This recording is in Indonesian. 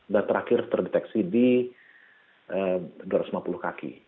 dan terakhir terdeteksi di dua ratus lima puluh kaki